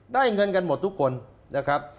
ได้เงินกันหมดทุกคนนะครับ